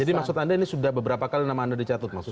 jadi maksud anda ini sudah beberapa kali nama anda dicatut maksudnya